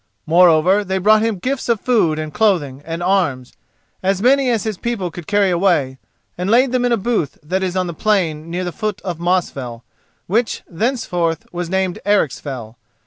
Moreover they brought him gifts of food and clothing and arms, as many as his people could carry away, and laid them in a booth that is on the plain near the foot of Mosfell, which thenceforth was named Ericsfell.